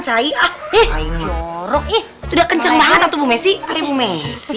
ya kan chai ah eh jorok ih udah kenceng banget atau bu messi eh bu messi